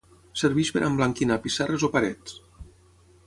Serveix per emblanquinar pissarres o parets.